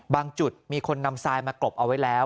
จุดมีคนนำทรายมากรบเอาไว้แล้ว